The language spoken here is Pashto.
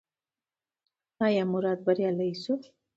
ایا مراد بریالی شو؟